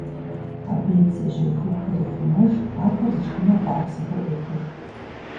Абы и бдзэжьей хугухэр ехъумэж, ахэр зышхыну хъуапсэхэр Ӏуехуж.